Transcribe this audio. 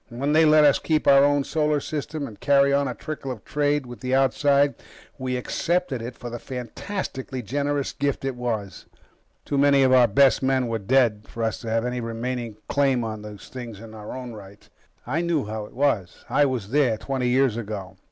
When they let us keep our own solar system and carry on a trickle of trade with the outside, we accepted it for the fantastically generous gift it was. Too many of our best men were dead for us to have any remaining claim on these things in our own right. I know how it was. I was there, twenty years ago.